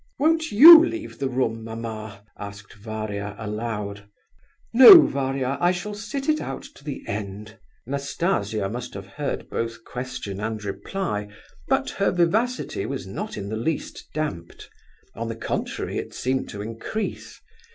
"Won't you leave the room, mamma?" asked Varia, aloud. "No, Varia, I shall sit it out to the end." Nastasia must have overheard both question and reply, but her vivacity was not in the least damped. On the contrary, it seemed to increase.